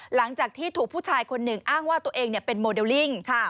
หลังจากที่ถูกผู้ชายคนหนึ่งอ้างว่าตัวเองเป็นโมเดลลิ่ง